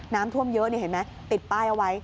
น้ำท่วมเยอะนี่เห็นไหมติดป้ายเอาไว้